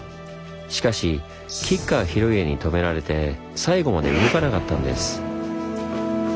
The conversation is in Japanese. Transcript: しかし吉川広家に止められて最後まで動かなかったんです。